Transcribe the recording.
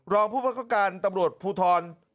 รองผู้เอียดพืทรสุขการณ์ธรพุทธรรมดิ์